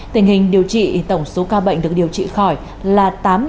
tình hình điều trị tổng số ca bệnh được điều trị khỏi là tám hai mươi hai